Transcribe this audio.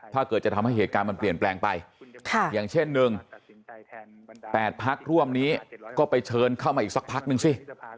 ถ้าเกิดจะทำให้เหตุการณ์มันเปลี่ยนแปลงไปอย่างเช่น๑๘พักร่วมนี้ก็ไปเชิญเข้ามาอีกสักพักนึงสิ